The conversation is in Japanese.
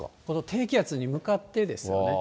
低気圧に向かってですよね。